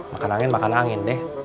makan angin makan angin deh